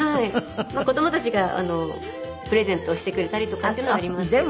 子供たちがプレゼントをしてくれたりとかっていうのはありますけど。